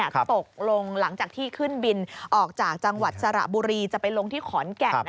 ตกลงหลังจากที่ขึ้นบินออกจากจังหวัดสระบุรีจะไปลงที่ขอนแก่น